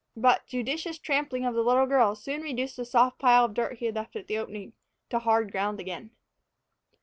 But judicious trampling by the little girl soon reduced the soft pile of dirt he had left at the opening to hard ground again.